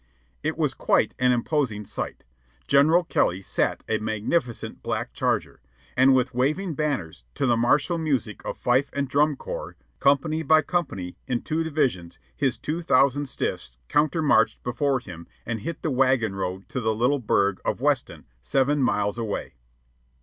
It was quite an imposing sight. General Kelly sat a magnificent black charger, and with waving banners, to the martial music of fife and drum corps, company by company, in two divisions, his two thousand stiffs countermarched before him and hit the wagon road to the little burg of Weston, seven miles away.